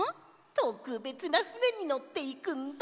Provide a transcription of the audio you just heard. とくべつなふねにのっていくんだ！